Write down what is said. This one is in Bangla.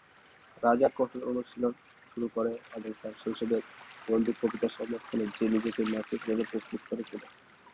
রাজা কঠোর অনুশীলন শুরু করে এবং তার শৈশবের বন্ধু কবিতার সমর্থন সে নিজেকে ম্যাচের জন্য প্রস্তুত করে তোলে।